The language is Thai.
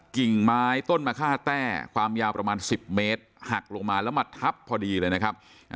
กิ่งไม้ต้นมะค่าแต้ความยาวประมาณ๑๐เมตรหักลงมาแล้วมาทับพอดีเลยนะครับ